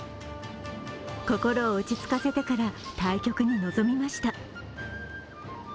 心を落ち着かせてから対局に臨みました。